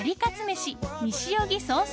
飯西荻ソース